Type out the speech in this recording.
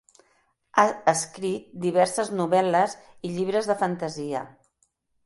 Ha escrit diverses novel·les i llibres de fantasia.